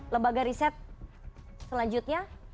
lembaga riset selanjutnya